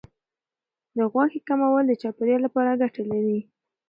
د غوښې کمول د چاپیریال لپاره ګټه لري.